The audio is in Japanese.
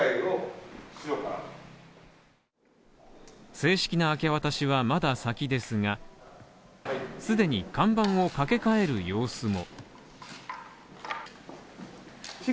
正式な明け渡しはまだ先ですが、既に看板を掛け替える様子も。